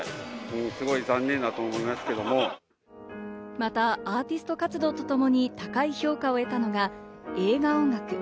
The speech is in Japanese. また、アーティスト活動とともに高い評価を得たのが映画音楽。